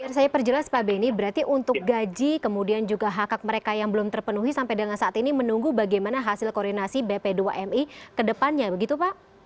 baik saya perjelas pak beni berarti untuk gaji kemudian juga hak hak mereka yang belum terpenuhi sampai dengan saat ini menunggu bagaimana hasil koordinasi bp dua mi ke depannya begitu pak